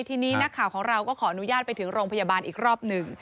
ทีนี้นักข่าวของเราก็ขออนุญาตไปถึงโรงพยาบาลอีกรอบหนึ่ง